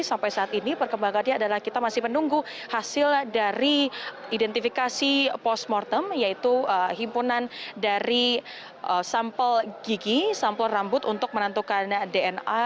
sampai saat ini perkembangannya adalah kita masih menunggu hasil dari identifikasi post mortem yaitu himpunan dari sampel gigi sampel rambut untuk menentukan dna